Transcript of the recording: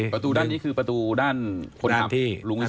ประตูด้านนี้คือประตูด้านคนขับลุง